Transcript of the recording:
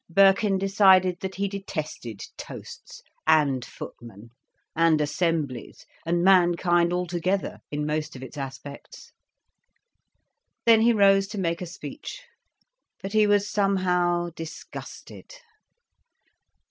Birkin decided that he detested toasts, and footmen, and assemblies, and mankind altogether, in most of its aspects. Then he rose to make a speech. But he was somehow disgusted.